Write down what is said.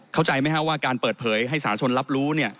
เข้าใจไหมครับว่าการเปิดเผยให้สาชนรับรู้